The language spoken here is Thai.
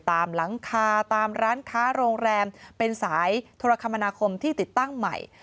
ตามหลังคาตามร้านค้าโรงแรมเป็นสายโทรคมนาคมที่ติดตั้งใหม่